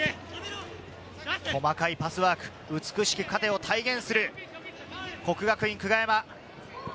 細かいパスワーク、「美しく勝て」を体現する國學院久我山。